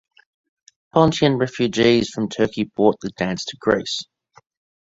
Pontian refugees from Turkey brought the dance to Greece.